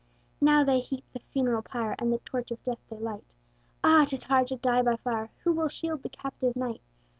Now they heap the funeral pyre, And the torch of death they light; Ah! 'tis hard to die by fire! Who will shield the captive knight?